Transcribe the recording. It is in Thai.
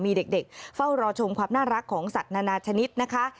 มีเด็กเฝ้ารอชมความน่ารักของสัตว์นานาชนิดนะคะ